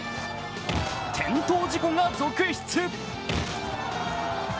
転倒事故が続出。